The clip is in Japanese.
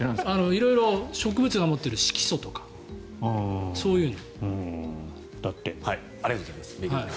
色々植物が持っている色素とかそういうの。